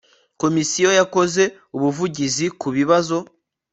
komisiyo yakoze ubuvugizi ku bibazo